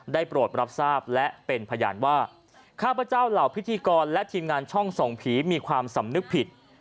โปรดรับทราบและเป็นพยานว่าข้าพเจ้าเหล่าพิธีกรและทีมงานช่องส่องผีมีความสำนึกผิด